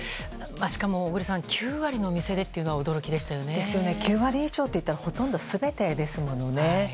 しかも小栗さん９割のお店でというのは９割以上というとほとんど全てですよね。